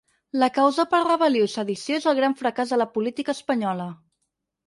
La causa per rebel·lió i sedició és el gran fracàs de la política espanyola.